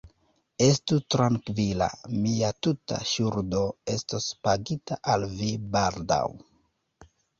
Estu trankvila, mia tuta ŝuldo estos pagita al vi baldaŭ.